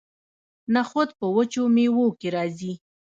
نخود په وچو میوو کې راځي.